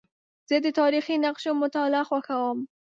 زه د تاریخي نقشو مطالعه خوښوم.